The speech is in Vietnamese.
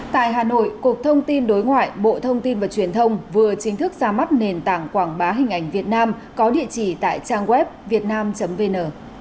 tại hà nội cục thông tin đối ngoại bộ thông tin và truyền thông vừa chính thức ra mắt nền tảng quảng bá hình ảnh việt nam có địa chỉ tại trang web việt nam vn